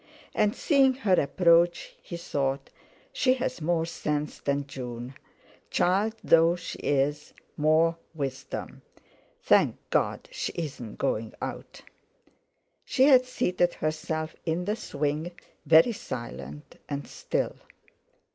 And, seeing her approach, he thought: "She has more sense than June, child though she is; more wisdom. Thank God she isn't going out." She had seated herself in the swing, very silent and still.